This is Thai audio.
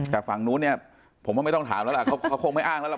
แต่ฝั่งนู้นเนี่ยผมว่าไม่ต้องถามแล้วล่ะเขาคงไม่อ้างแล้วล่ะ